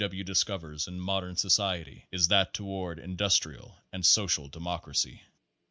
W. discovers in modern society is that toward Industrial and Social Democracy.